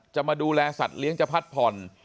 จะมาดูแลสัตว์เลี้ยงจะพักผ่อน